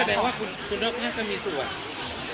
ไม่แสดงว่าคุณรอบข้างก็มีส่วน